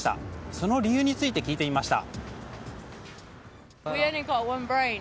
その理由について聞いてみました。